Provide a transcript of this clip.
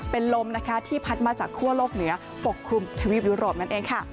เป็นลมนะคะที่พัดมาจากคั่วโลกเหนือปกคลุมทวีปยุโรปนั่นเองค่ะ